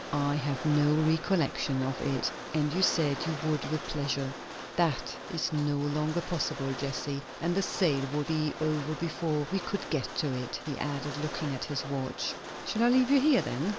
"I have no recollection of it." "And you said you would with pleasure." "That is no longer possible, Jessie. And the sale would be over before we could get to it," he added, looking at his watch. "Shall I leave you here, then?"